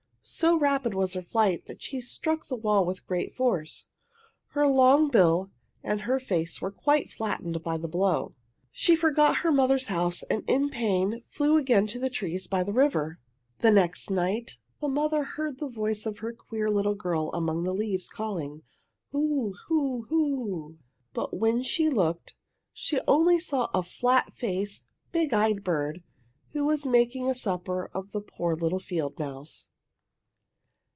So rapid was her flight that she struck the wall with great force. Her long bill and her face were quite flattened by the blow. She forgot her mother's house, and in pain flew again to the trees by the river. The next night the mother heard the voice of her queer little girl among the leaves calling, "Whoo whoo whoo!" But when she looked she saw only a flat faced, big eyed bird who was making a supper of the poor little field mouse.